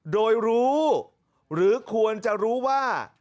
โดยรู้หรือควรจะรู้ว่า